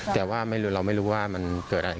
แต่ว่าเราไม่รู้ว่ามันเกิดอะไร